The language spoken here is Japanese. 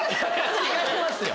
違いますよ！